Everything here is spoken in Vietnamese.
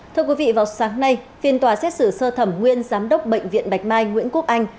thưa quý vị vào sáng nay phiên tòa xét xử sơ thẩm nguyên giám đốc bệnh viện bạch mai nguyễn quốc anh